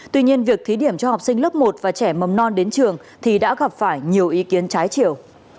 tuy nhiên việc thí điểm cho học sinh lớp một và trẻ mầm non đến trường thì đã gặp phải nhiều ý kiến trái chiều